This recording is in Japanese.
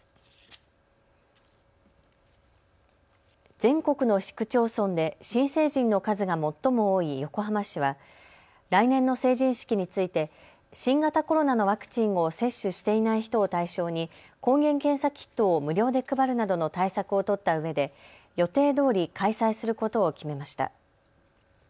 全国の市区町村で新成人の数が最も多い横浜市は来年の成人式について新型コロナのワクチンを接種していない人を対象に抗原検査キットを無料で配るなどの対策を取ったうえで予定どおり開催することを決めました。